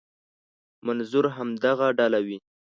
منظور همدغه ډله وي.